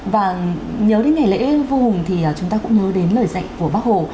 và nhớ đến ngày lễ vua hùng thì chúng ta cũng nhớ đến lời dạy của bác hồ